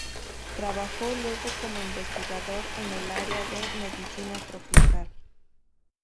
Trabajó luego como investigador en el área de Medicina tropical.